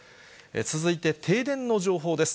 続いて停電の状況です。